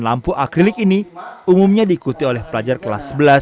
lampu akrilik ini umumnya diikuti oleh pelajar kelas sebelas